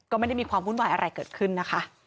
ก็ไม่ได้มีความวุ่นวายอะไรเกิดขึ้นนะคะ